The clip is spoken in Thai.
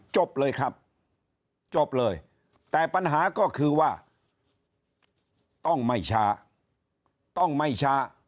จบเลยครับจบเลยแต่ปัญหาก็คือว่าต้องไม่ช้าต้องไม่ช้า